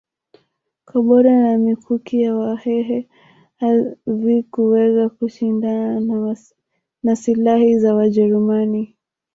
Gobore na mikuki ya wahehe havikuweza kushindana na silaha za wajerumani